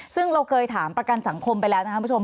ซึ่งเราเคยถามประกันสังคมไปแล้วนะครับคุณผู้ชม